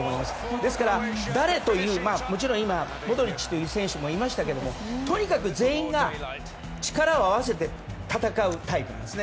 ですから、誰というよりかはもちろん今、モドリッチという選手もいましたがとにかく全員が力を合わせて戦うタイプなんですね。